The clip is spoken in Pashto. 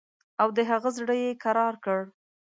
او د هغه زړه یې کرار کړ.